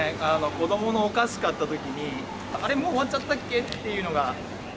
子どものお菓子買ったときに、あれ、もう終わっちゃったっけというのが。